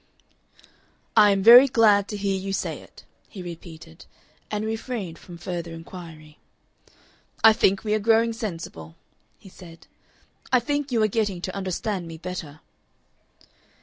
"I am very glad to hear you say it," he repeated, and refrained from further inquiry. "I think we are growing sensible," he said. "I think you are getting to understand me better."